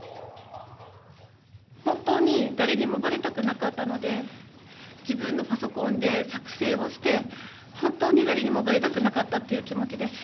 本当に誰にもばれたくなかったので、自分のパソコンで作成をして、本当に誰にもばれたくなかったっていう気持ちです。